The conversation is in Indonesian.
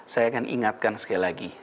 saya ingatkan sekali lagi